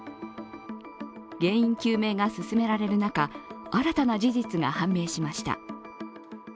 原因究明が進められる中新たな事実が判明しました。